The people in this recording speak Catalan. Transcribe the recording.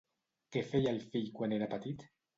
Què feia el fill quan era petit?